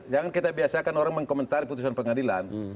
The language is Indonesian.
jangan kita biasakan orang mengkomentari putusan pengadilan